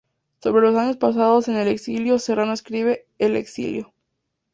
Sobre los años pasados en el exilio, Serrano escribe: ""El exilio.